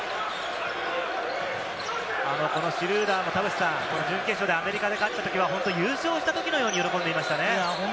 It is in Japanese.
シュルーダーも田臥さん、準決勝でアメリカに勝ったときは優勝したときのように喜んでましたね。